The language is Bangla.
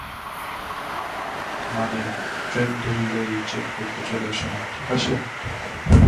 মানে, ট্রেন দুললেই, চেক করতে চলে এসো না, ঠিক আছে?